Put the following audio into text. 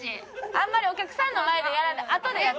あんまりお客さんの前でやらないあとでやって。